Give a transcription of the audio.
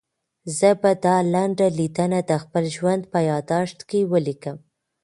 زه به دا لنډه لیدنه د خپل ژوند په یادښت کې ولیکم.